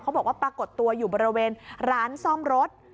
ปรากฏตัวอยู่บริเวณร้านซ่อมรถ